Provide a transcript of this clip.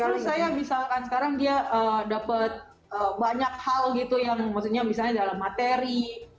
kalau saya misalkan sekarang dia dapat banyak hal gitu yang maksudnya misalnya dalam materi